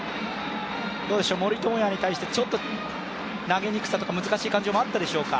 森友哉に対して、ちょっと投げにくさというか、難しい感じもあったでしょうか？